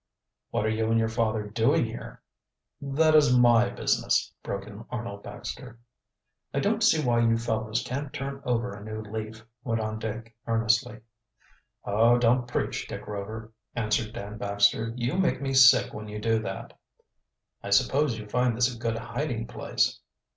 "What are you and your father doing here?" "That is my business," broke in Arnold Baxter. "I don't see why you fellows can't turn over a new leaf," went on Dick earnestly. "Oh, don't preach, Dick Rover," answered Dan Baxter. "You make me sick when you do that." "I suppose you find this a good hiding place."